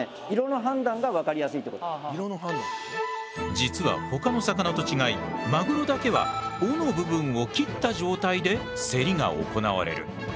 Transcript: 実はほかの魚と違いマグロだけは尾の部分を切った状態で競りが行われる。